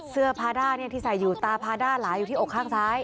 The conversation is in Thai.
เสื้อผ้า้าที่ใส่อยู่ตาพาด้าหลายอยู่ที่อกข้างซ้าย